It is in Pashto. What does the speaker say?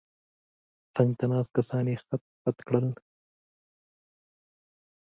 څنګ ته ناست کسان یې خت پت کړل.